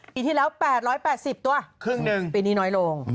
ปีที่แล้ว๘๘๐ตัวปีนี้น้อยลง